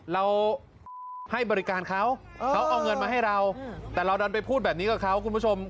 เราให้บริการเขาเขาเอาเงินมาให้เราแต่เราดันไปพูดแบบนี้กับเขาคุณผู้ชม